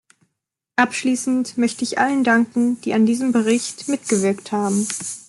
Abschließend möchte ich allen danken, die an diesem Bericht mitgewirkt haben.